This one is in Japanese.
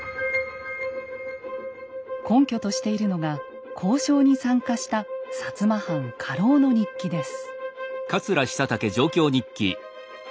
根拠としているのが交渉に参加した摩藩家老の日記です。